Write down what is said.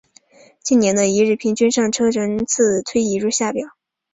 近年的一日平均上车人次推移如下表。